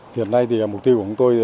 hiện nay thì mục tiêu của chúng tôi